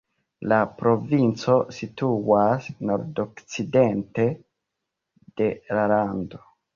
La provinco situas nordokcidente de la lando.